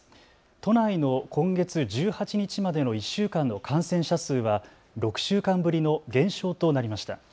都内の今月１８日までの１週間の感染者数は６週間ぶりの減少となりました。